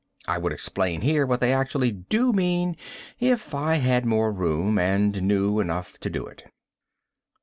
I would explain here what they actually do mean if I had more room and knew enough to do it.